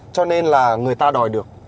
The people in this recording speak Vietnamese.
cho nên là người ta đòi được